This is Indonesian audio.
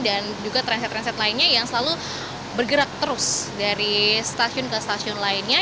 dan juga transit transit lainnya yang selalu bergerak terus dari stasiun ke stasiun lainnya